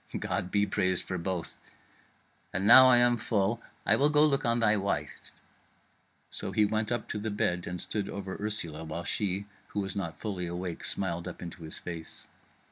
God be praised for both. And now I am full, I will go look on thy wife." So he went up to the bed and stood over Ursula, while she, who was not fully awake, smiled up into his face.